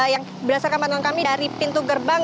yang berdasarkan pantauan kami dari pintu gerbang